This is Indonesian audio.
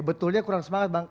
betulnya kurang semangat bang